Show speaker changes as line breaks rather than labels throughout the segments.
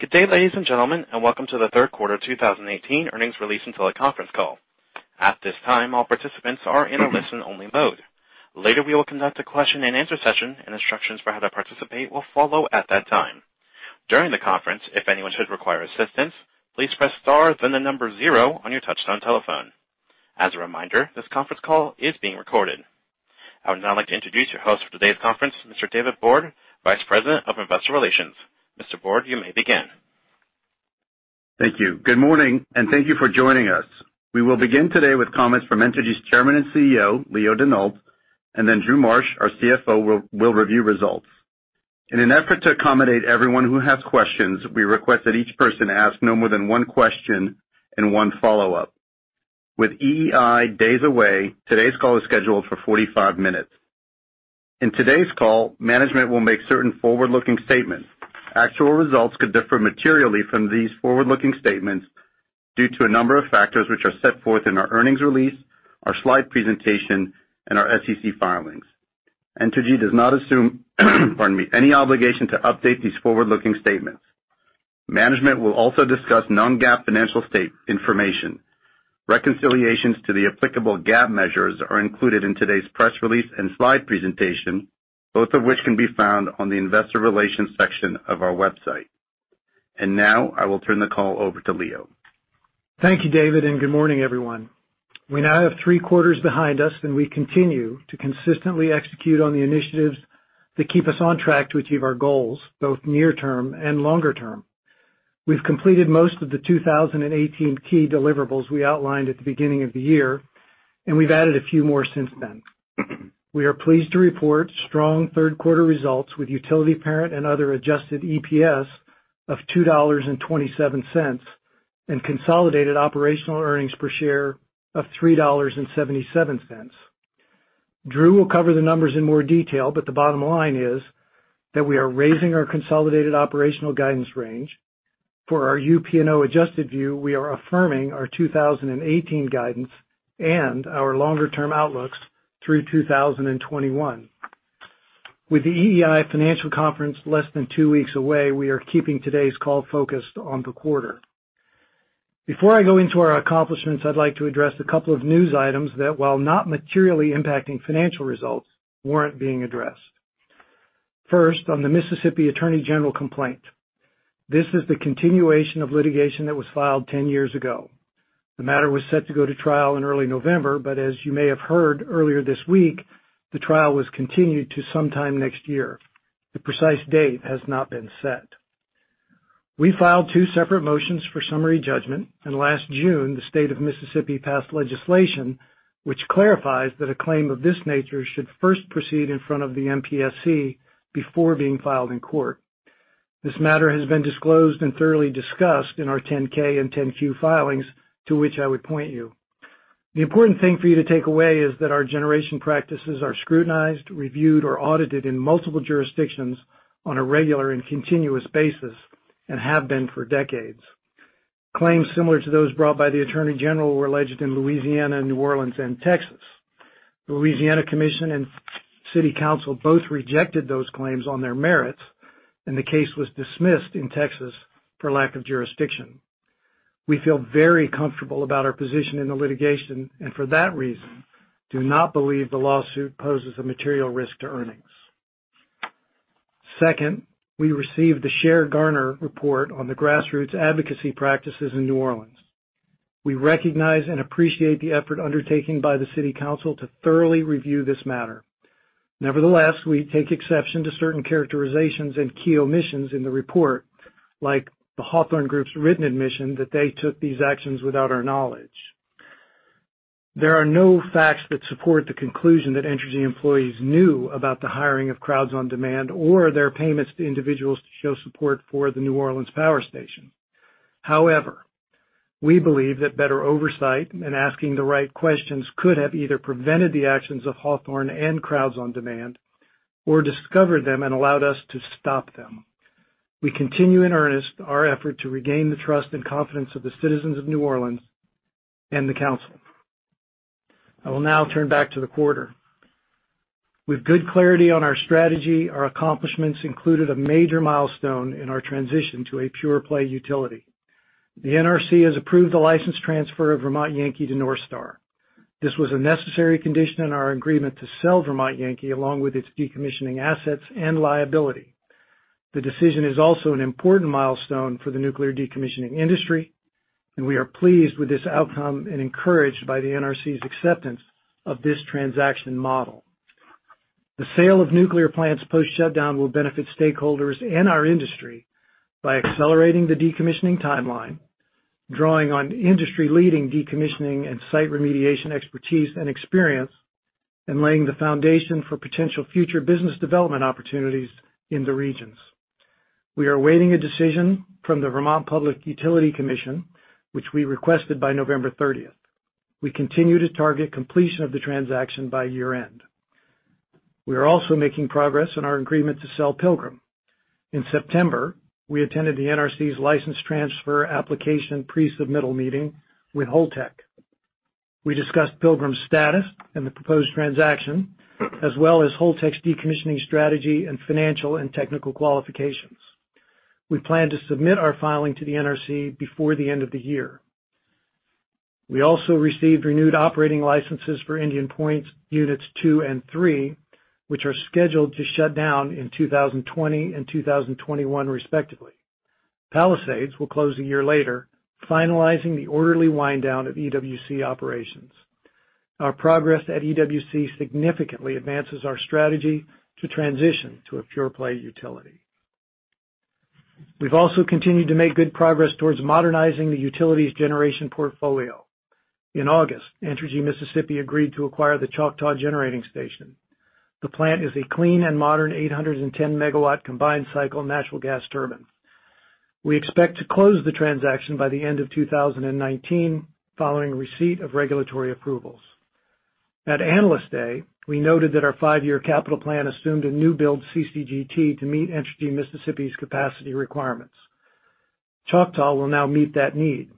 Good day, ladies and gentlemen. Welcome to the third quarter 2018 earnings release and teleconference call. At this time, all participants are in a listen-only mode. Later, we will conduct a question and answer session, and instructions for how to participate will follow at that time. During the conference, if anyone should require assistance, please press star, then the number zero on your touchtone telephone. As a reminder, this conference call is being recorded. I would now like to introduce your host for today's conference, Mr. David Borde, Vice President of Investor Relations. Mr. Borde, you may begin.
Thank you. Good morning, and thank you for joining us. We will begin today with comments from Entergy's Chairman and CEO, Leo Denault. Then Drew Marsh, our CFO, will review results. In an effort to accommodate everyone who has questions, we request that each person ask no more than one question and one follow-up. With EEI days away, today's call is scheduled for 45 minutes. In today's call, management will make certain forward-looking statements. Actual results could differ materially from these forward-looking statements due to a number of factors which are set forth in our earnings release, our slide presentation, and our SEC filings. Entergy does not assume any obligation to update these forward-looking statements. Management will also discuss non-GAAP financial statement information. Reconciliations to the applicable GAAP measures are included in today's press release and slide presentation, both of which can be found on the investor relations section of our website. Now, I will turn the call over to Leo.
Thank you, David, and good morning, everyone. We now have three quarters behind us, and we continue to consistently execute on the initiatives that keep us on track to achieve our goals, both near term and longer term. We've completed most of the 2018 key deliverables we outlined at the beginning of the year, and we've added a few more since then. We are pleased to report strong third-quarter results with Utility Parent & Other adjusted EPS of $2.27 and consolidated operational earnings per share of $3.77. Drew will cover the numbers in more detail, but the bottom line is that we are raising our consolidated operational guidance range. For our UPNO adjusted view, we are affirming our 2018 guidance and our longer-term outlooks through 2021. With the EEI Financial Conference less than two weeks away, we are keeping today's call focused on the quarter. Before I go into our accomplishments, I'd like to address a couple of news items that, while not materially impacting financial results, warrant being addressed. First, on the Mississippi Attorney General complaint. This is the continuation of litigation that was filed 10 years ago. The matter was set to go to trial in early November, but as you may have heard earlier this week, the trial was continued to sometime next year. The precise date has not been set. We filed two separate motions for summary judgment, and last June, the state of Mississippi passed legislation which clarifies that a claim of this nature should first proceed in front of the MPSC before being filed in court. This matter has been disclosed and thoroughly discussed in our 10-K and 10-Q filings, to which I would point you. The important thing for you to take away is that our generation practices are scrutinized, reviewed, or audited in multiple jurisdictions on a regular and continuous basis and have been for decades. Claims similar to those brought by the Attorney General were alleged in Louisiana, New Orleans, and Texas. The Louisiana Commission and City Council both rejected those claims on their merits, and the case was dismissed in Texas for lack of jurisdiction. We feel very comfortable about our position in the litigation, and for that reason, do not believe the lawsuit poses a material risk to earnings. Second, we received the Sher Garner report on the grassroots advocacy practices in New Orleans. We recognize and appreciate the effort undertaken by the City Council to thoroughly review this matter. Nevertheless, we take exception to certain characterizations and key omissions in the report, like the Hawthorn Group's written admission that they took these actions without our knowledge. There are no facts that support the conclusion that Entergy employees knew about the hiring of Crowds On Demand or their payments to individuals to show support for the New Orleans Power Station. However, we believe that better oversight and asking the right questions could have either prevented the actions of Hawthorn and Crowds On Demand or discovered them and allowed us to stop them. We continue in earnest our effort to regain the trust and confidence of the citizens of New Orleans and the council. I will now turn back to the quarter. With good clarity on our strategy, our accomplishments included a major milestone in our transition to a pure play utility. The NRC has approved the license transfer of Vermont Yankee to NorthStar. This was a necessary condition in our agreement to sell Vermont Yankee, along with its decommissioning assets and liability. The decision is also an important milestone for the nuclear decommissioning industry, and we are pleased with this outcome and encouraged by the NRC's acceptance of this transaction model. The sale of nuclear plants post-shutdown will benefit stakeholders and our industry by accelerating the decommissioning timeline, drawing on industry-leading decommissioning and site remediation expertise and experience, and laying the foundation for potential future business development opportunities in the regions. We are awaiting a decision from the Vermont Public Utility Commission, which we requested by November 30th. We continue to target completion of the transaction by year-end. We are also making progress on our agreement to sell Pilgrim. In September, we attended the NRC's license transfer application pre-submittal meeting with Holtec. We discussed Pilgrim's status and the proposed transaction, as well as Holtec's decommissioning strategy and financial and technical qualifications. We plan to submit our filing to the NRC before the end of the year. We also received renewed operating licenses for Indian Point's units 2 and 3, which are scheduled to shut down in 2020 and 2021, respectively. Palisades will close a year later, finalizing the orderly wind down of EWC operations. Our progress at EWC significantly advances our strategy to transition to a pure-play utility. We've also continued to make good progress towards modernizing the utilities generation portfolio. In August, Entergy Mississippi agreed to acquire the Choctaw Generating Station. The plant is a clean and modern 810-megawatt combined-cycle natural gas turbine. We expect to close the transaction by the end of 2019, following receipt of regulatory approvals. At Analyst Day, we noted that our five-year capital plan assumed a new build CCGT to meet Entergy Mississippi's capacity requirements. Choctaw will now meet that need.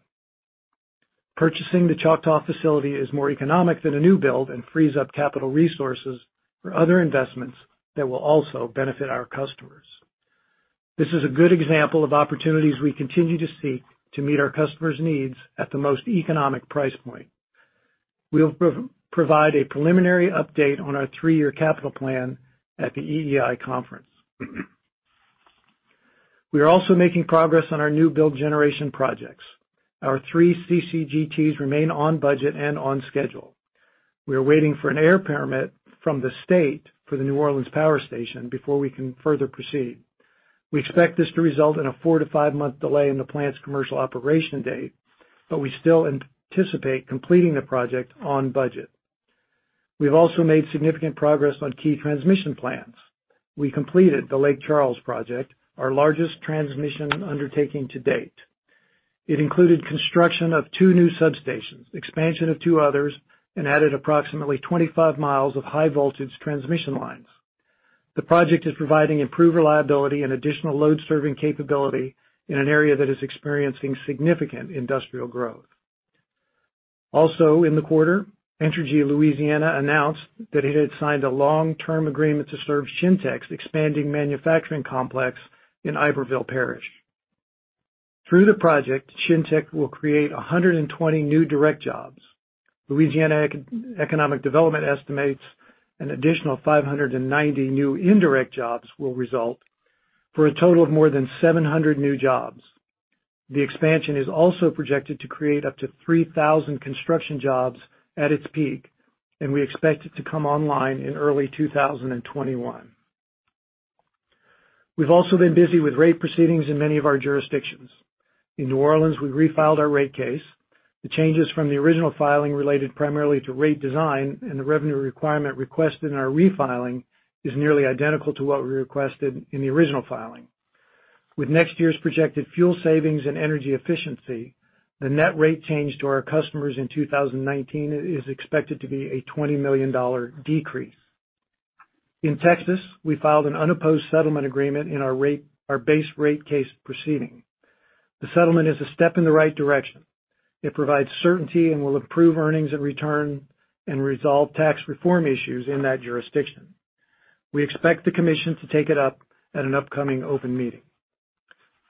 Purchasing the Choctaw facility is more economic than a new build and frees up capital resources for other investments that will also benefit our customers. This is a good example of opportunities we continue to seek to meet our customers' needs at the most economic price point. We'll provide a preliminary update on our three-year capital plan at the EEI conference. We are also making progress on our new build generation projects. Our 3 CCGTs remain on budget and on schedule. We are waiting for an air permit from the state for the New Orleans Power Station before we can further proceed. We expect this to result in a four to five-month delay in the plant's commercial operation date, but we still anticipate completing the project on budget. We've also made significant progress on key transmission plans. We completed the Lake Charles project, our largest transmission undertaking to date. It included construction of two new substations, expansion of two others, and added approximately 25 miles of high-voltage transmission lines. The project is providing improved reliability and additional load-serving capability in an area that is experiencing significant industrial growth. Also in the quarter, Entergy Louisiana announced that it had signed a long-term agreement to serve Shintech's expanding manufacturing complex in Iberville Parish. Through the project, Shintech will create 120 new direct jobs. Louisiana Economic Development estimates an additional 590 new indirect jobs will result for a total of more than 700 new jobs. The expansion is also projected to create up to 3,000 construction jobs at its peak, and we expect it to come online in early 2021. We've also been busy with rate proceedings in many of our jurisdictions. In New Orleans, we refiled our rate case. The changes from the original filing related primarily to rate design and the revenue requirement request in our refiling is nearly identical to what we requested in the original filing. With next year's projected fuel savings and energy efficiency, the net rate change to our customers in 2019 is expected to be a $20 million decrease. In Texas, we filed an unopposed settlement agreement in our base rate case proceeding. The settlement is a step in the right direction. It provides certainty and will improve earnings and return and resolve tax reform issues in that jurisdiction. We expect the commission to take it up at an upcoming open meeting.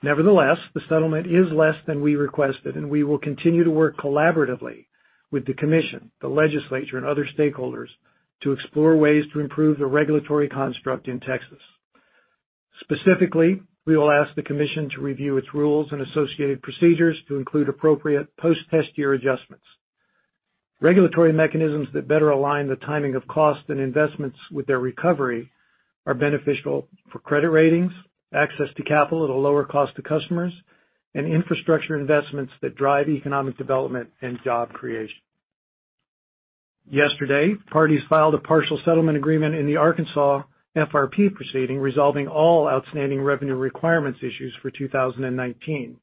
Nevertheless, the settlement is less than we requested, and we will continue to work collaboratively with the commission, the legislature, and other stakeholders to explore ways to improve the regulatory construct in Texas. Specifically, we will ask the commission to review its rules and associated procedures to include appropriate post-test year adjustments. Regulatory mechanisms that better align the timing of cost and investments with their recovery are beneficial for credit ratings, access to capital at a lower cost to customers, and infrastructure investments that drive economic development and job creation. Yesterday, parties filed a partial settlement agreement in the Arkansas FRP proceeding, resolving all outstanding revenue requirements issues for 2019.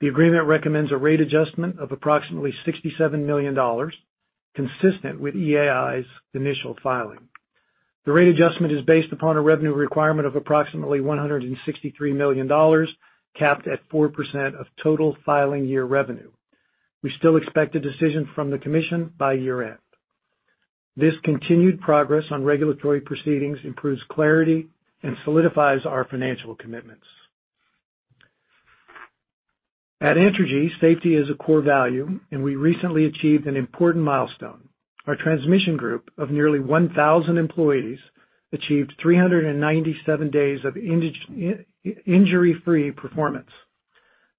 The agreement recommends a rate adjustment of approximately $67 million, consistent with EAI's initial filing. The rate adjustment is based upon a revenue requirement of approximately $163 million, capped at 4% of total filing year revenue. We still expect a decision from the commission by year-end. This continued progress on regulatory proceedings improves clarity and solidifies our financial commitments. At Entergy, safety is a core value, and we recently achieved an important milestone. Our transmission group of nearly 1,000 employees achieved 397 days of injury-free performance.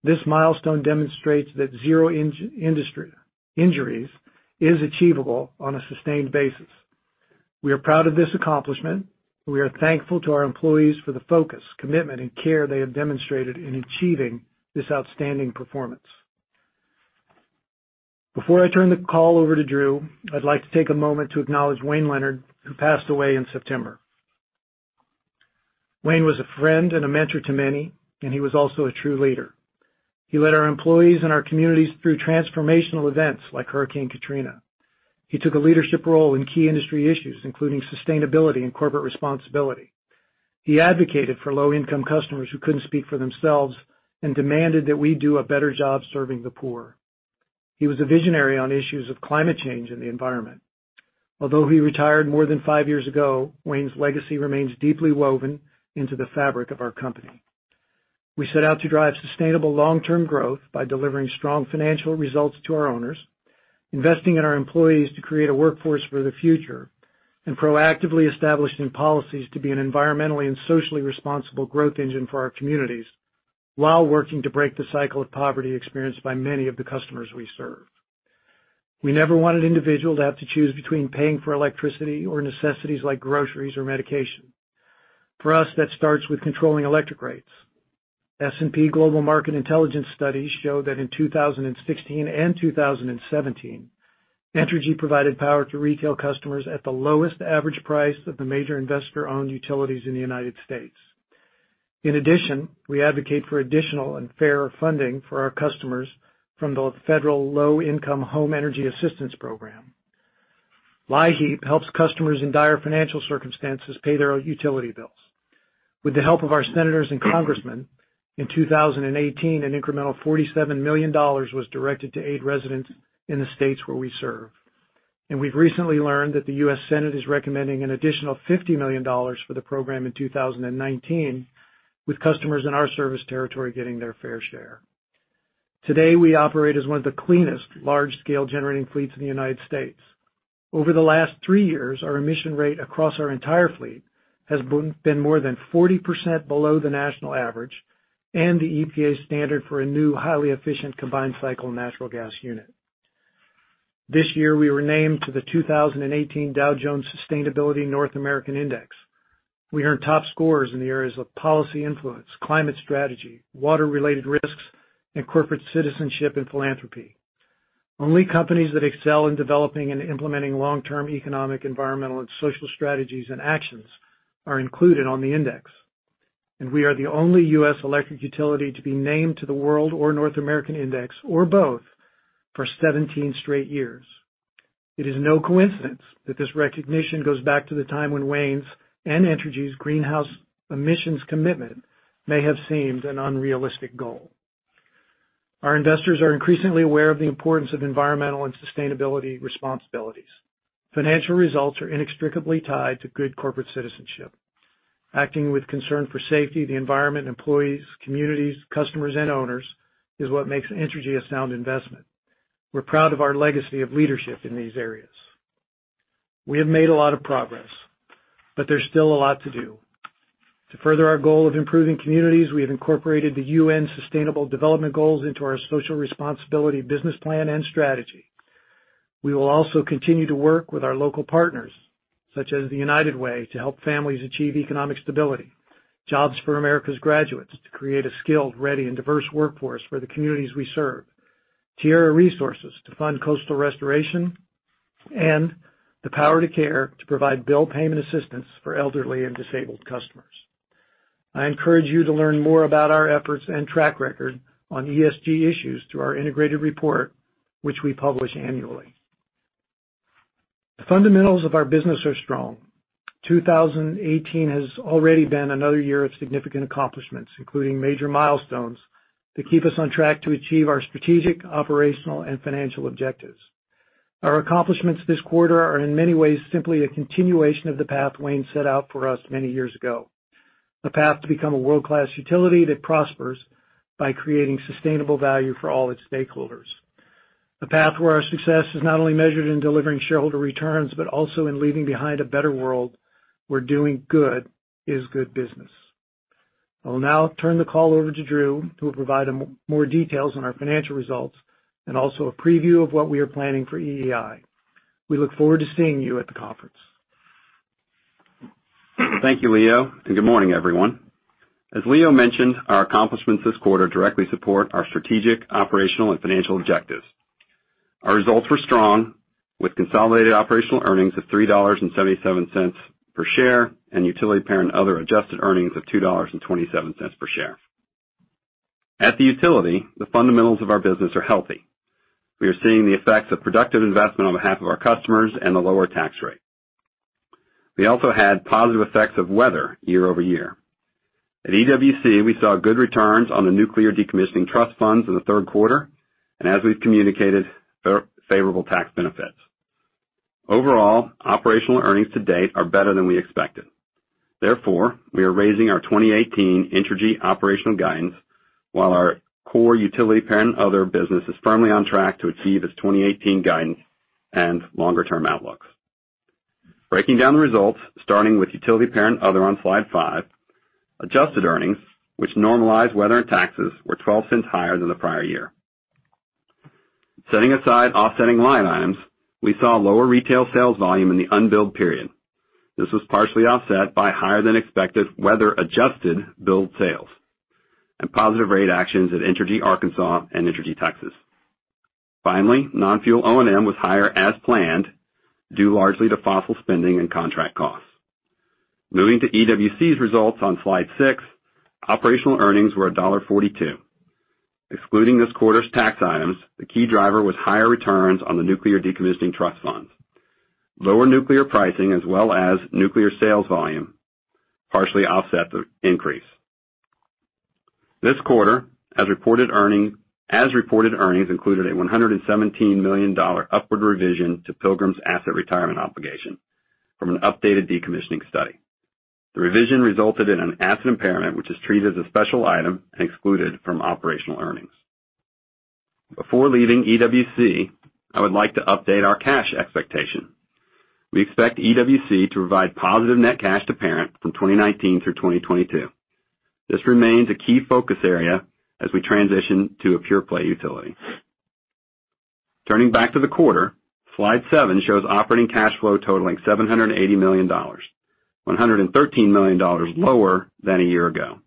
This milestone demonstrates that zero injuries is achievable on a sustained basis. We are proud of this accomplishment. We are thankful to our employees for the focus, commitment, and care they have demonstrated in achieving this outstanding performance. Before I turn the call over to Drew, I'd like to take a moment to acknowledge Wayne Leonard, who passed away in September. Wayne was a friend and a mentor to many, and he was also a true leader. He led our employees and our communities through transformational events like Hurricane Katrina. He took a leadership role in key industry issues, including sustainability and corporate responsibility. He advocated for low-income customers who couldn't speak for themselves and demanded that we do a better job serving the poor. He was a visionary on issues of climate change and the environment. Although he retired more than five years ago, Wayne's legacy remains deeply woven into the fabric of our company. We set out to drive sustainable long-term growth by delivering strong financial results to our owners, investing in our employees to create a workforce for the future, and proactively establishing policies to be an environmentally and socially responsible growth engine for our communities while working to break the cycle of poverty experienced by many of the customers we serve. We never want an individual to have to choose between paying for electricity or necessities like groceries or medication. For us, that starts with controlling electric rates. S&P Global Market Intelligence studies show that in 2016 and 2017, Entergy provided power to retail customers at the lowest average price of the major investor-owned utilities in the United States. In addition, we advocate for additional and fairer funding for our customers from the federal Low Income Home Energy Assistance Program. LIHEAP helps customers in dire financial circumstances pay their utility bills. With the help of our senators and congressmen, in 2018, an incremental $47 million was directed to aid residents in the states where we serve. We've recently learned that the U.S. Senate is recommending an additional $50 million for the program in 2019, with customers in our service territory getting their fair share. Today, we operate as one of the cleanest large-scale generating fleets in the U.S. Over the last three years, our emission rate across our entire fleet has been more than 40% below the national average and the EPA standard for a new highly efficient combined cycle natural gas unit. This year, we were named to the 2018 Dow Jones Sustainability North American Index. We earned top scores in the areas of policy influence, climate strategy, water-related risks, and corporate citizenship and philanthropy. Only companies that excel in developing and implementing long-term economic, environmental, and social strategies and actions are included on the index. We are the only U.S. electric utility to be named to the world or North American Index or both for 17 straight years. It is no coincidence that this recognition goes back to the time when Wayne's and Entergy's greenhouse emissions commitment may have seemed an unrealistic goal. Our investors are increasingly aware of the importance of environmental and sustainability responsibilities. Financial results are inextricably tied to good corporate citizenship. Acting with concern for safety, the environment, employees, communities, customers, and owners is what makes Entergy a sound investment. We're proud of our legacy of leadership in these areas. We have made a lot of progress, but there's still a lot to do. To further our goal of improving communities, we have incorporated the UN Sustainable Development Goals into our social responsibility business plan and strategy. We will also continue to work with our local partners, such as the United Way, to help families achieve economic stability, Jobs for America's Graduates to create a skilled, ready, and diverse workforce for the communities we serve, Tierra Resources to fund coastal restoration, and The Power to Care to provide bill payment assistance for elderly and disabled customers. I encourage you to learn more about our efforts and track record on ESG issues through our integrated report, which we publish annually. The fundamentals of our business are strong. 2018 has already been another year of significant accomplishments, including major milestones that keep us on track to achieve our strategic, operational, and financial objectives. Our accomplishments this quarter are in many ways simply a continuation of the path Wayne set out for us many years ago. A path to become a world-class utility that prospers by creating sustainable value for all its stakeholders. A path where our success is not only measured in delivering shareholder returns, but also in leaving behind a better world where doing good is good business. I will now turn the call over to Drew, who will provide more details on our financial results and also a preview of what we are planning for EEI. We look forward to seeing you at the conference.
Thank you, Leo, and good morning, everyone. As Leo mentioned, our accomplishments this quarter directly support our strategic, operational, and financial objectives. Our results were strong, with consolidated operational earnings of $3.77 per share and utility Parent & Other adjusted earnings of $2.27 per share. At the utility, the fundamentals of our business are healthy. We are seeing the effects of productive investment on behalf of our customers and the lower tax rate. We also had positive effects of weather year-over-year. At EWC, we saw good returns on the Nuclear Decommissioning Trust funds in the third quarter, and as we've communicated, favorable tax benefits. Overall, operational earnings to date are better than we expected. We are raising our 2018 Entergy operational guidance while our core utility Parent & Other business is firmly on track to achieve its 2018 guidance and longer-term outlooks. Breaking down the results, starting with utility Parent & Other on slide five, adjusted earnings, which normalize weather and taxes, were $0.12 higher than the prior year. Setting aside offsetting line items, we saw lower retail sales volume in the unbilled period. This was partially offset by higher than expected weather-adjusted billed sales and positive rate actions at Entergy Arkansas and Entergy Texas. Finally, non-fuel O&M was higher as planned, due largely to fossil spending and contract costs. Moving to EWC's results on slide six, operational earnings were $1.42. Excluding this quarter's tax items, the key driver was higher returns on the Nuclear Decommissioning Trust funds. Lower nuclear pricing, as well as nuclear sales volume partially offset the increase. This quarter, as reported earnings included a $117 million upward revision to Pilgrim's asset retirement obligation from an updated decommissioning study. The revision resulted in an asset impairment, which is treated as a special item and excluded from operational earnings. Before leaving EWC, I would like to update our cash expectation. We expect EWC to provide positive net cash to parent from 2019 through 2022. This remains a key focus area as we transition to a pure-play utility. Turning back to the quarter, slide seven shows operating cash flow totaling $780 million, $113 million lower than a year ago.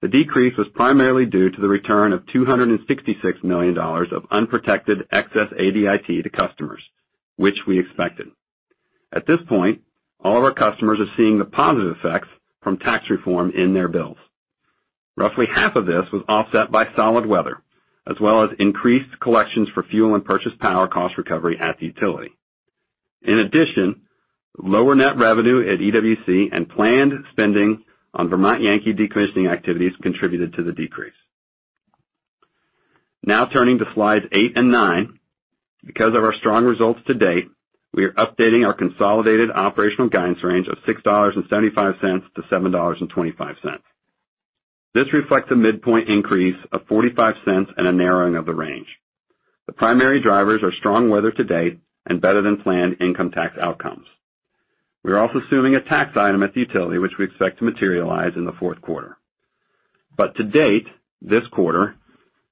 The decrease was primarily due to the return of $266 million of unprotected excess ADIT to customers, which we expected. At this point, all of our customers are seeing the positive effects from tax reform in their bills. Roughly half of this was offset by solid weather, as well as increased collections for fuel and purchase power cost recovery at the utility. In addition, lower net revenue at EWC and planned spending on Vermont Yankee decommissioning activities contributed to the decrease. Turning to slides eight and nine. Because of our strong results to date, we are updating our consolidated operational guidance range of $6.75-$7.25. This reflects a midpoint increase of $0.45 and a narrowing of the range. The primary drivers are strong weather to date and better-than-planned income tax outcomes. We are also assuming a tax item at the utility, which we expect to materialize in the fourth quarter. To date, this quarter,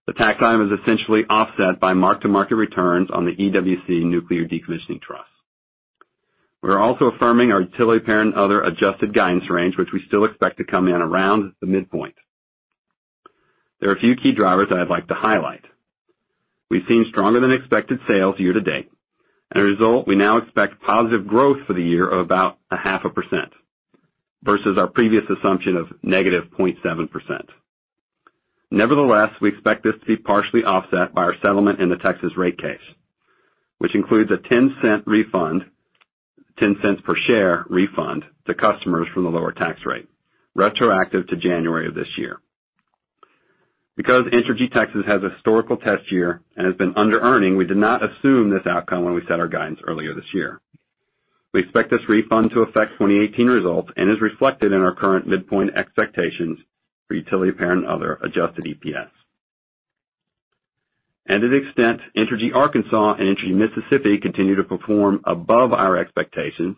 the tax item is essentially offset by mark-to-market returns on the EWC Nuclear Decommissioning Trust. We are also affirming our utility Parent & Other adjusted guidance range, which we still expect to come in around the midpoint. There are a few key drivers that I'd like to highlight. We've seen stronger than expected sales year to date. As a result, we now expect positive growth for the year of about a half a percent versus our previous assumption of -0.7%. Nevertheless, we expect this to be partially offset by our settlement in the Texas rate case, which includes a $0.10 refund, $0.10 per share refund to customers from the lower tax rate, retroactive to January of this year. Because Entergy Texas has a historical test year and has been under-earning, we did not assume this outcome when we set our guidance earlier this year. We expect this refund to affect 2018 results and is reflected in our current midpoint expectations for utility Parent & Other adjusted EPS. To the extent Entergy Arkansas and Entergy Mississippi continue to perform above our expectations,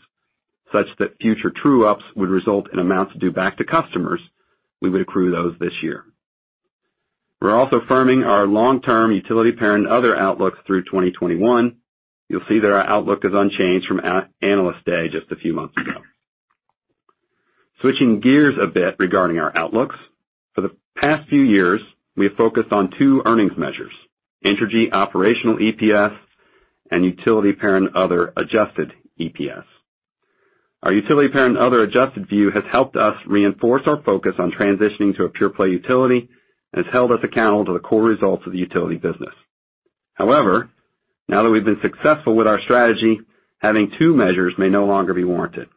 such that future true-ups would result in amounts due back to customers, we would accrue those this year. We're also firming our long-term utility Parent & Other outlook through 2021. You'll see that our outlook is unchanged from Analyst Day just a few months ago. Switching gears a bit regarding our outlooks. For the past few years, we have focused on two earnings measures, Entergy operational EPS and utility Parent & Other adjusted EPS. Our utility Parent & Other adjusted view has helped us reinforce our focus on transitioning to a pure-play utility and has held us accountable to the core results of the utility business. However, now that we've been successful with our strategy, having two measures may no longer be warranted.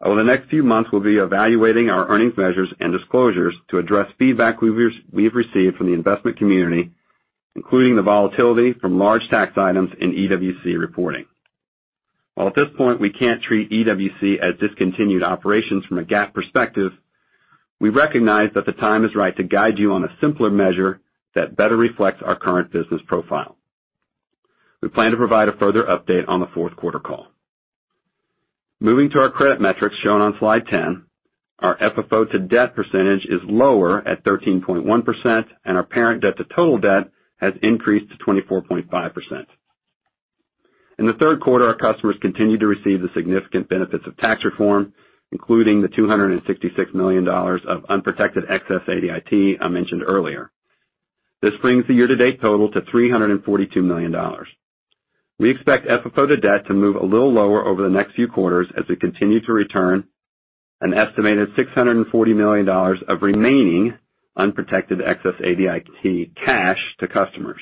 Over the next few months, we'll be evaluating our earnings measures and disclosures to address feedback we've received from the investment community, including the volatility from large tax items in EWC reporting. While at this point, we can't treat EWC as discontinued operations from a GAAP perspective, we recognize that the time is right to guide you on a simpler measure that better reflects our current business profile. We plan to provide a further update on the fourth quarter call. Moving to our credit metrics shown on slide 10, our FFO to debt percentage is lower at 13.1%, and our Parent debt to total debt has increased to 24.5%. In the third quarter, our customers continued to receive the significant benefits of tax reform, including the $266 million of unprotected excess ADIT I mentioned earlier. This brings the year-to-date total to $342 million. We expect FFO to debt to move a little lower over the next few quarters as we continue to return an estimated $640 million of remaining unprotected excess ADIT cash to customers.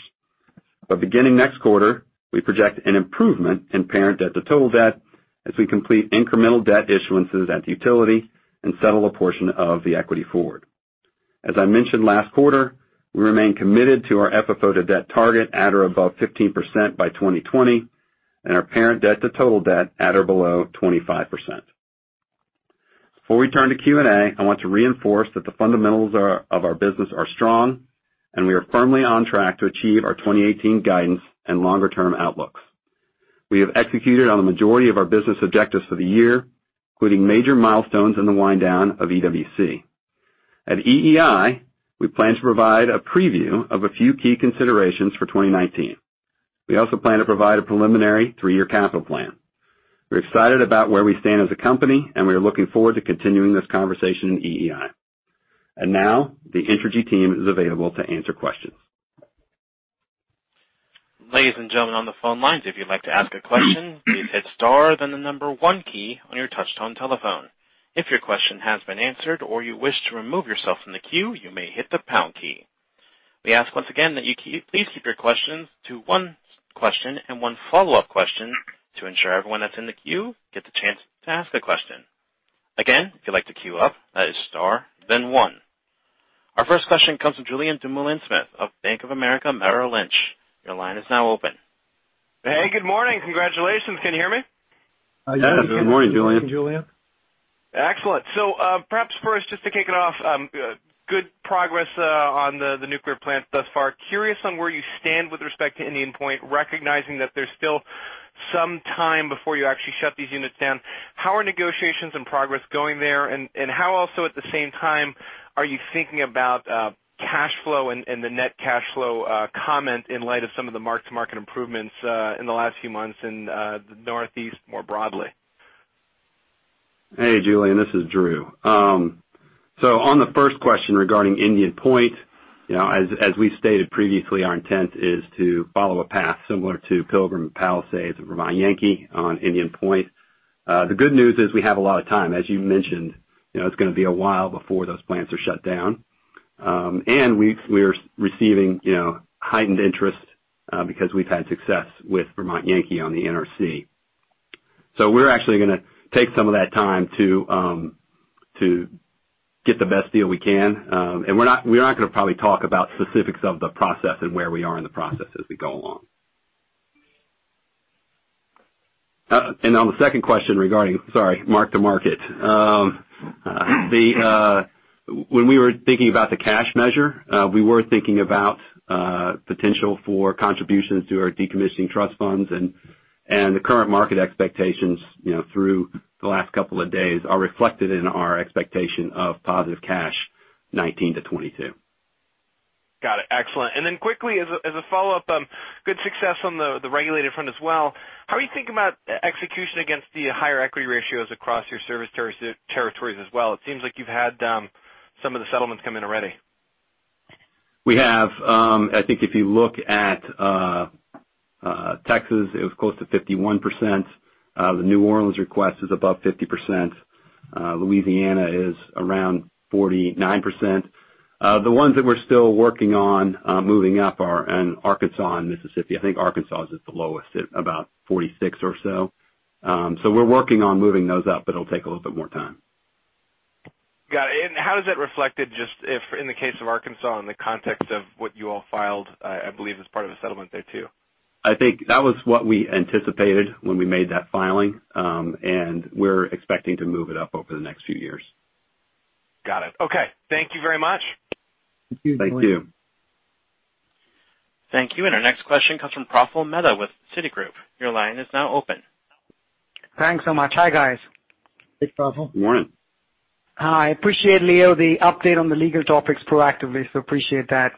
Beginning next quarter, we project an improvement in Parent debt to total debt as we complete incremental debt issuances at the utility and settle a portion of the equity forward. As I mentioned last quarter, we remain committed to our FFO to debt target at or above 15% by 2020, and our Parent debt to total debt at or below 25%. Before we turn to Q&A, I want to reinforce that the fundamentals of our business are strong, and we are firmly on track to achieve our 2018 guidance and longer-term outlooks. We have executed on the majority of our business objectives for the year, including major milestones in the wind down of EWC. At EEI, we plan to provide a preview of a few key considerations for 2019. We also plan to provide a preliminary three-year capital plan. We're excited about where we stand as a company, we are looking forward to continuing this conversation in EEI. Now the Entergy team is available to answer questions.
Ladies and gentlemen on the phone lines, if you'd like to ask a question, please hit star then the number one key on your touchtone telephone. If your question has been answered or you wish to remove yourself from the queue, you may hit the pound key. We ask once again that you please keep your questions to one question and one follow-up question to ensure everyone that's in the queue gets a chance to ask a question. Again, if you'd like to queue up, that is star, then one. Our first question comes from Julien Dumoulin-Smith of Bank of America Merrill Lynch. Your line is now open.
Hey. Good morning. Congratulations. Can you hear me?
Yes. Good morning, Julien.
Welcome, Julien.
Excellent. Perhaps for us, just to kick it off, good progress on the nuclear plant thus far. Curious on where you stand with respect to Indian Point, recognizing that there's still some time before you actually shut these units down. How are negotiations and progress going there? How also at the same time are you thinking about cash flow and the net cash flow comment in light of some of the mark to market improvements in the last few months in the Northeast more broadly?
Hey, Julien, this is Drew. On the first question regarding Indian Point, as we stated previously, our intent is to follow a path similar to Pilgrim, Palisades, and Vermont Yankee on Indian Point. The good news is we have a lot of time. As you mentioned, it's going to be a while before those plants are shut down. We are receiving heightened interest because we've had success with Vermont Yankee on the NRC. We're actually going to take some of that time to get the best deal we can. We're not going to probably talk about specifics of the process and where we are in the process as we go along. On the second question regarding, sorry, mark to market. When we were thinking about the cash measure, we were thinking about potential for contributions to our decommissioning trust funds and the current market expectations through the last couple of days are reflected in our expectation of positive cash 2019 to 2022.
Got it. Excellent. Quickly as a follow-up, good success on the regulated front as well. How are you thinking about execution against the higher equity ratios across your service territories as well? It seems like you've had some of the settlements come in already.
We have. I think if you look at Texas, it was close to 51%. The New Orleans request is above 50%. Louisiana is around 49%. The ones that we're still working on moving up are in Arkansas and Mississippi. I think Arkansas's is the lowest at about 46% or so. We're working on moving those up, but it'll take a little bit more time.
Got it. How is that reflected just if in the case of Arkansas in the context of what you all filed, I believe is part of the settlement there too?
I think that was what we anticipated when we made that filing, and we're expecting to move it up over the next few years.
Got it. Okay. Thank you very much.
Thank you.
Thank you. Our next question comes from Praful Mehta with Citigroup. Your line is now open.
Thanks so much. Hi, guys.
Hey, Praful. Morning.
Hi. Appreciate, Leo, the update on the legal topics proactively, so appreciate that.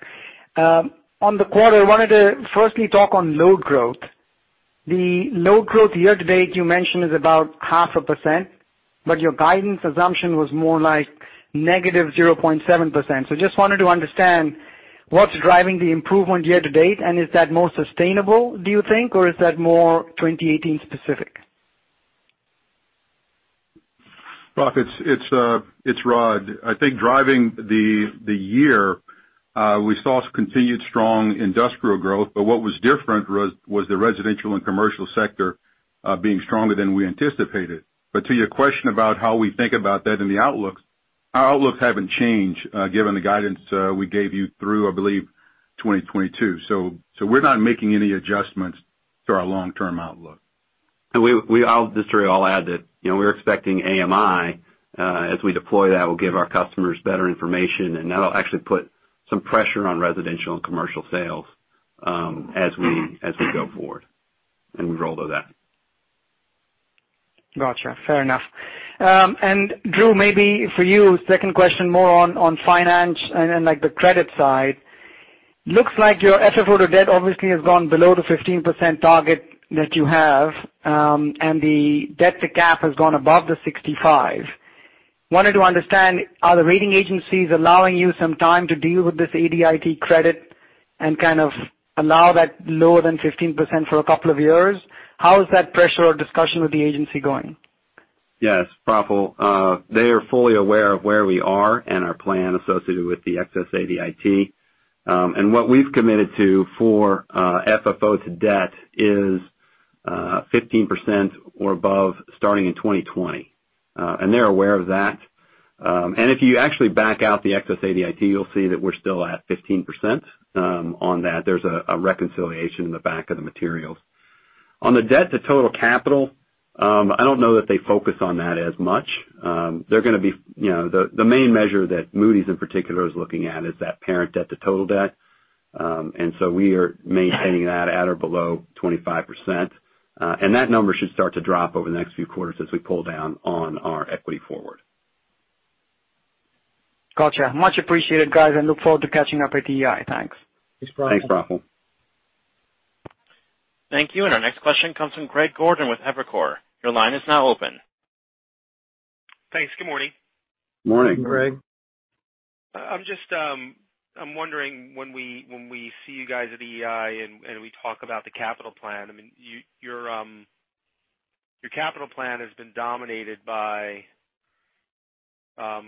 On the quarter, wanted to firstly talk on load growth. The load growth year to date you mentioned is about 0.5%, but your guidance assumption was more like -0.7%. Just wanted to understand what's driving the improvement year to date, and is that more sustainable, do you think, or is that more 2018 specific?
Praful, it's Rod. I think driving the year, we saw continued strong industrial growth, but what was different was the residential and commercial sector being stronger than we anticipated. To your question about how we think about that in the outlooks, our outlooks haven't changed given the guidance we gave you through, I believe, 2022. We're not making any adjustments to our long-term outlook. This is Drew. I'll add that we're expecting AMI. As we deploy that, we'll give our customers better information, and that'll actually put some pressure on residential and commercial sales as we go forward and we roll to that.
Gotcha. Fair enough. Drew, maybe for you, second question more on finance and the credit side. Looks like your FFO to debt obviously has gone below the 15% target that you have. The debt to cap has gone above the 65. Wanted to understand, are the rating agencies allowing you some time to deal with this ADIT credit and kind of allow that lower than 15% for a couple of years? How is that pressure or discussion with the agency going?
Yes. Praful, they are fully aware of where we are and our plan associated with the excess ADIT. What we've committed to for FFO to debt is 15% or above starting in 2020. They're aware of that. If you actually back out the excess ADIT, you'll see that we're still at 15% on that. There's a reconciliation in the back of the materials. On the debt to total capital, I don't know that they focus on that as much. The main measure that Moody's in particular is looking at is that parent debt to total debt. We are maintaining that at or below 25%. That number should start to drop over the next few quarters as we pull down on our equity forward.
Gotcha. Much appreciated, guys, and look forward to catching up at EEI. Thanks.
Thanks, Praful.
Thank you. Our next question comes from Greg Gordon with Evercore. Your line is now open.
Thanks. Good morning.
Morning, Greg.
I'm wondering, when we see you guys at EEI and we talk about the capital plan, your capital plan has been dominated by Well,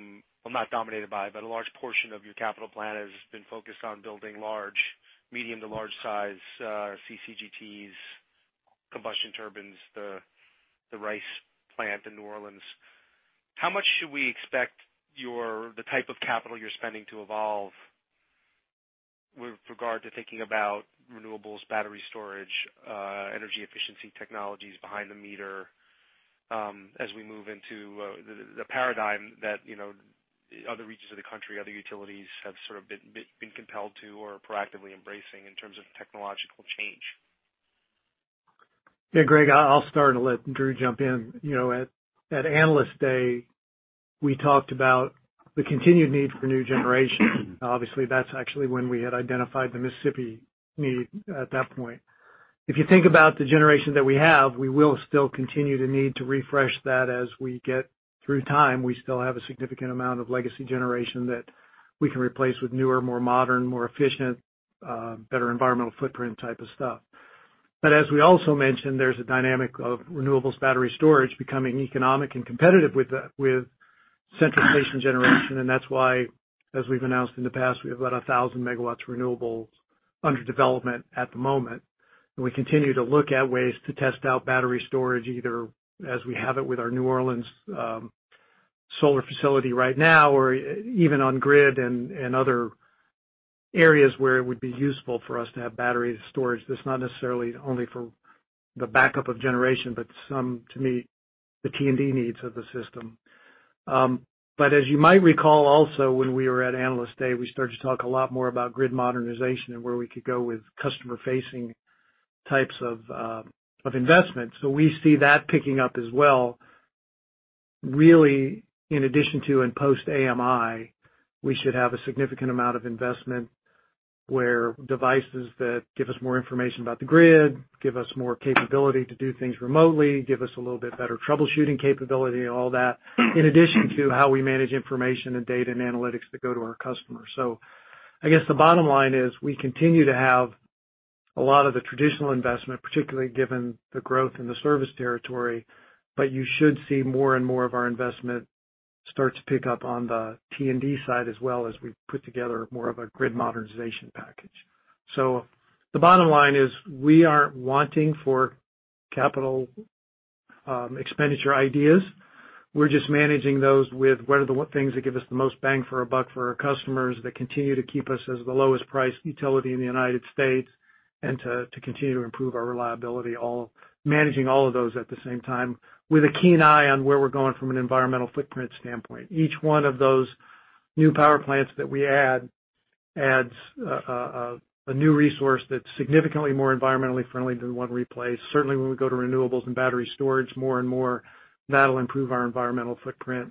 not dominated by, but a large portion of your capital plan has been focused on building medium to large size CCGTs, combustion turbines, the RICE plant in New Orleans. How much should we expect the type of capital you're spending to evolve with regard to thinking about renewables, battery storage, energy efficiency technologies behind the meter as we move into the paradigm that other regions of the country, other utilities have sort of been compelled to or are proactively embracing in terms of technological change?
Yeah, Greg, I'll start and let Drew jump in. At Analyst Day, we talked about the continued need for new generation. Obviously, that's actually when we had identified the Mississippi need at that point. If you think about the generation that we have, we will still continue to need to refresh that as we get through time. We still have a significant amount of legacy generation that we can replace with newer, more modern, more efficient, better environmental footprint type of stuff. As we also mentioned, there's a dynamic of renewables battery storage becoming economic and competitive with centralized generation, and that's why, as we've announced in the past, we have about 1,000 megawatts renewables under development at the moment. We continue to look at ways to test out battery storage, either as we have it with our New Orleans solar facility right now, or even on grid and other areas where it would be useful for us to have battery storage that's not necessarily only for the backup of generation, but some to meet the T&D needs of the system. As you might recall also when we were at Analyst Day, we started to talk a lot more about grid modernization and where we could go with customer-facing types of investments. We see that picking up as well, really in addition to and post AMI, we should have a significant amount of investment where devices that give us more information about the grid, give us more capability to do things remotely, give us a little bit better troubleshooting capability, all that, in addition to how we manage information and data and analytics that go to our customers. I guess the bottom line is we continue to have a lot of the traditional investment, particularly given the growth in the service territory, but you should see more and more of our investment start to pick up on the T&D side as well as we put together more of a grid modernization package. The bottom line is we aren't wanting for capital expenditure ideas. We're just managing those with what are the things that give us the most bang for our buck for our customers that continue to keep us as the lowest price utility in the United States and to continue to improve our reliability, managing all of those at the same time with a keen eye on where we're going from an environmental footprint standpoint. Each one of those new power plants that we add adds a new resource that's significantly more environmentally friendly than one replaced. Certainly when we go to renewables and battery storage more and more, that'll improve our environmental footprint.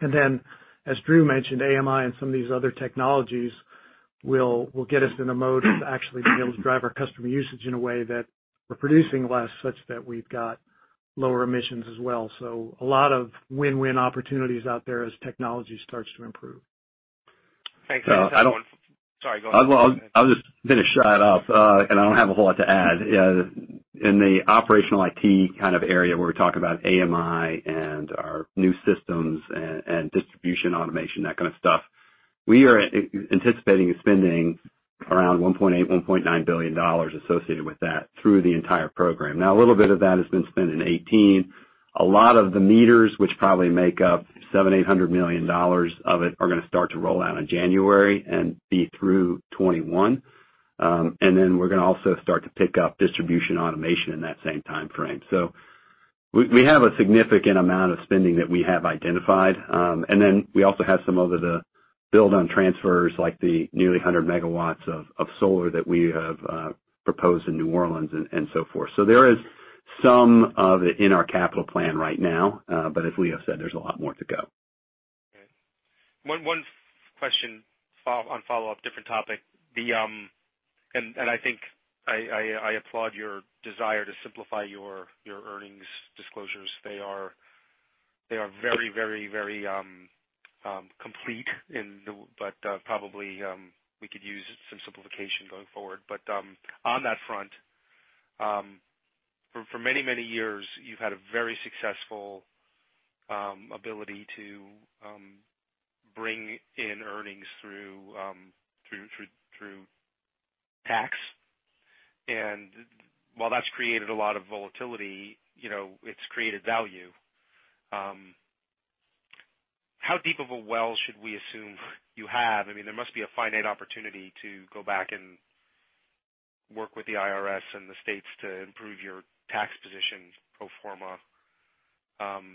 Then, as Drew mentioned, AMI and some of these other technologies will get us in a mode to actually be able to drive our customer usage in a way that we're producing less, such that we've got lower emissions as well. A lot of win-win opportunities out there as technology starts to improve.
Thanks.
I don't-
Sorry, go ahead.
I'll just finish that off. I don't have a whole lot to add. In the operational IT kind of area where we talk about AMI and our new systems and distribution automation, that kind of stuff, we are anticipating spending around $1.8, $1.9 billion associated with that through the entire program. A little bit of that has been spent in 2018. A lot of the meters, which probably make up $700, $800 million of it, are going to start to roll out in January and be through 2021. We're going to also start to pick up distribution automation in that same time frame. We have a significant amount of spending that we have identified. We also have some of the build on transfers, like the nearly 100 megawatts of solar that we have proposed in New Orleans and so forth. There is some of it in our capital plan right now. As Leo said, there's a lot more to go.
I think I applaud your desire to simplify your earnings disclosures. They are very complete, but probably we could use some simplification going forward. On that front, for many years, you've had a very successful ability to bring in earnings through tax. While that's created a lot of volatility, it's created value. How deep of a well should we assume you have? There must be a finite opportunity to go back and work with the IRS and the states to improve your tax position pro forma.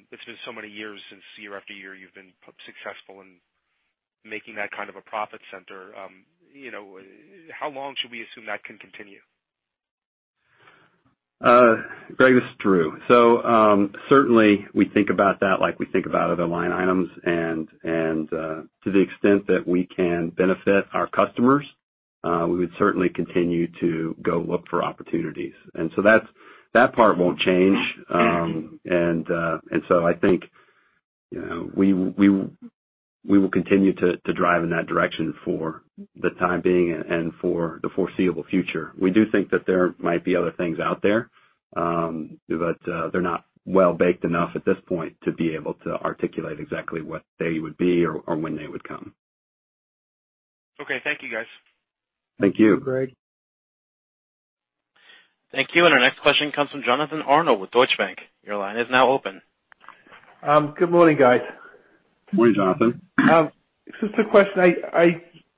It's been so many years since year after year you've been successful in making that kind of a profit center. How long should we assume that can continue?
Greg, this is Drew. Certainly we think about that like we think about other line items and to the extent that we can benefit our customers. We would certainly continue to go look for opportunities. That part won't change. I think we will continue to drive in that direction for the time being and for the foreseeable future. We do think that there might be other things out there, but they're not well-baked enough at this point to be able to articulate exactly what they would be or when they would come.
Okay. Thank you, guys.
Thank you.
Thank you, Greg.
Thank you. Our next question comes from Jonathan Arnold with Deutsche Bank. Your line is now open.
Good morning, guys.
Morning, Jonathan.
Just a question.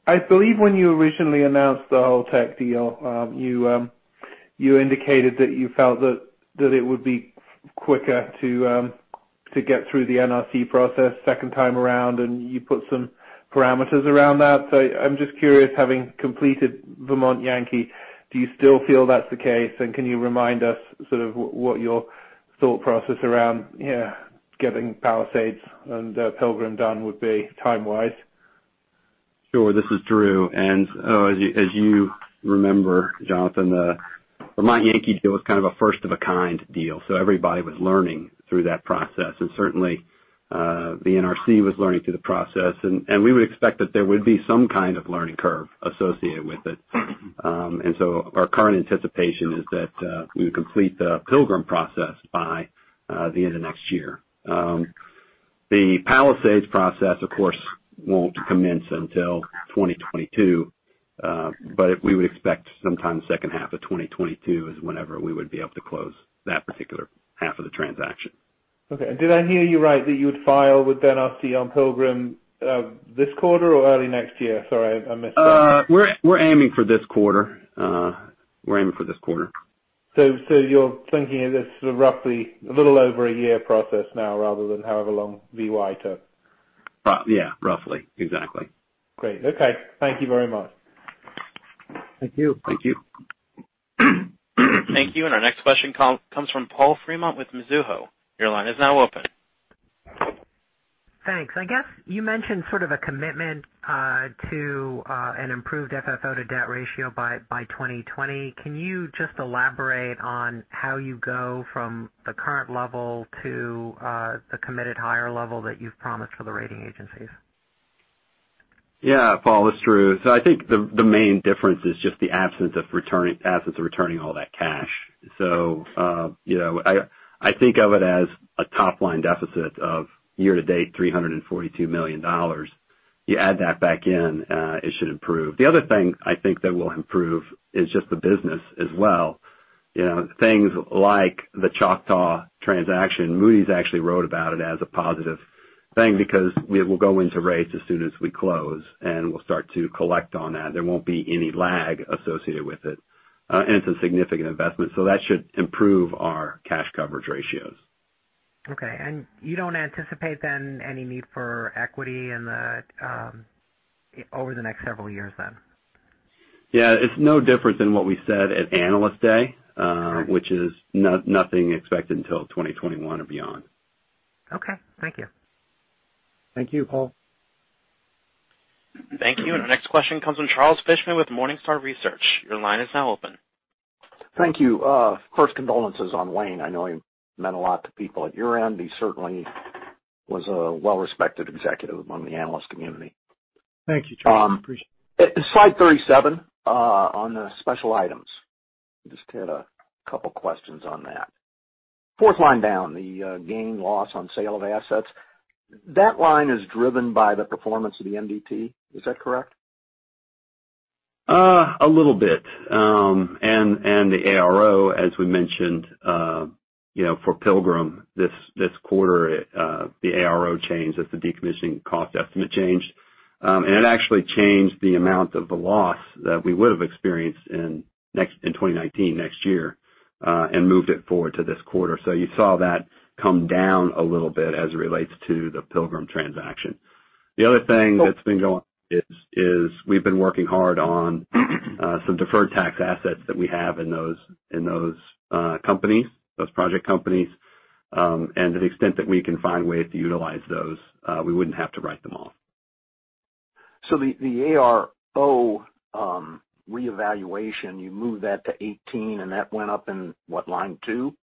I believe when you originally announced the Holtec deal, you indicated that you felt that it would be quicker to get through the NRC process second time around, and you put some parameters around that. I'm just curious, having completed Vermont Yankee, do you still feel that's the case? Can you remind us sort of what your thought process around getting Palisades and Pilgrim done would be time-wise?
Sure. This is Drew. As you remember, Jonathan, the Vermont Yankee deal was kind of a first-of-a-kind deal, so everybody was learning through that process. Certainly, the NRC was learning through the process, and we would expect that there would be some kind of learning curve associated with it. Our current anticipation is that we would complete the Pilgrim process by the end of next year. The Palisades process, of course, won't commence until 2022. We would expect sometime second half of 2022 is whenever we would be able to close that particular half of the transaction.
Okay. Did I hear you right, that you would file with NRC on Pilgrim this quarter or early next year? Sorry, I missed that.
We're aiming for this quarter. We're aiming for this quarter.
You're thinking it's roughly a little over a year process now rather than however long VY took.
Yeah, roughly. Exactly.
Great. Okay. Thank you very much.
Thank you.
Thank you.
Thank you. Our next question comes from Paul Fremont with Mizuho. Your line is now open.
Thanks. I guess you mentioned sort of a commitment to an improved FFO to debt ratio by 2020. Can you just elaborate on how you go from the current level to the committed higher level that you've promised for the rating agencies?
Paul, this is Drew. I think the main difference is just the absence of returning all that cash. I think of it as a top-line deficit of year to date $342 million. You add that back in, it should improve. The other thing I think that will improve is just the business as well. Things like the Choctaw transaction. Moody's actually wrote about it as a positive thing because we will go into rates as soon as we close, and we'll start to collect on that. There won't be any lag associated with it. It's a significant investment, so that should improve our cash coverage ratios.
Okay. You don't anticipate then any need for equity over the next several years, then?
Yeah. It's no different than what we said at Analyst Day.
All right.
Which is nothing expected until 2021 or beyond.
Okay. Thank you.
Thank you, Paul.
Thank you. Our next question comes from Charles Fishman with Morningstar Research. Your line is now open.
Thank you. First, condolences on Wayne. I know he meant a lot to people at your end. He certainly was a well-respected executive among the analyst community.
Thank you, Charles. Appreciate it.
Slide 37 on the special items. Just had a couple questions on that. Fourth line down, the gain loss on sale of assets. That line is driven by the performance of the NDT. Is that correct?
A little bit. The ARO, as we mentioned for Pilgrim this quarter, the ARO changed as the decommissioning cost estimate changed. It actually changed the amount of the loss that we would have experienced in 2019, next year, and moved it forward to this quarter. You saw that come down a little bit as it relates to the Pilgrim transaction. The other thing that's been going is we've been working hard on some deferred tax assets that we have in those companies, those project companies. To the extent that we can find ways to utilize those, we wouldn't have to write them off.
The ARO reevaluation, you moved that to 18, and that went up in what, line two?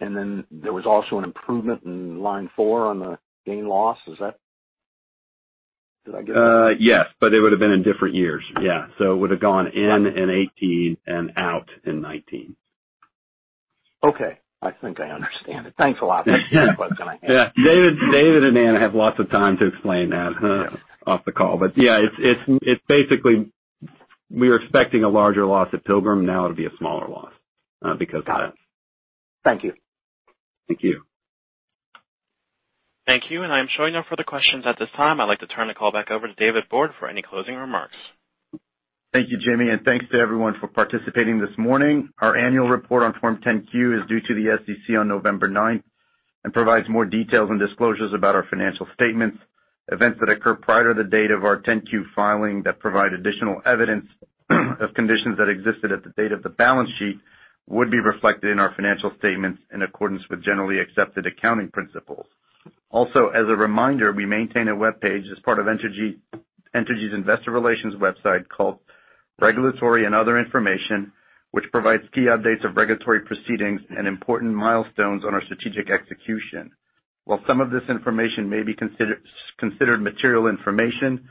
Then there was also an improvement in line four on the gain loss. Did I get that?
Yes, but it would have been in different years. Yeah. It would have gone in in 2018 and out in 2019.
Okay. I think I understand it. Thanks a lot. That's a good question.
Yeah. David and Anne have lots of time to explain that off the call. It's basically we were expecting a larger loss at Pilgrim. Now it'll be a smaller loss.
Got it. Thank you.
Thank you.
Thank you. I'm showing no further questions at this time. I'd like to turn the call back over to David Borde for any closing remarks.
Thank you, Jimmy, and thanks to everyone for participating this morning. Our annual report on Form 10-Q is due to the SEC on November ninth and provides more details and disclosures about our financial statements. Events that occur prior to the date of our 10-Q filing that provide additional evidence of conditions that existed at the date of the balance sheet would be reflected in our financial statements in accordance with generally accepted accounting principles. Also, as a reminder, we maintain a webpage as part of Entergy's investor relations website called Regulatory and Other Information, which provides key updates of regulatory proceedings and important milestones on our strategic execution. While some of this information may be considered material information,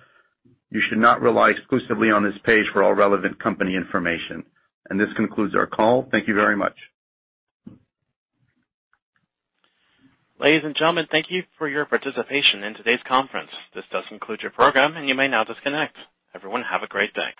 you should not rely exclusively on this page for all relevant company information. This concludes our call. Thank you very much.
Ladies and gentlemen, thank you for your participation in today's conference. This does conclude your program, and you may now disconnect. Everyone, have a great day.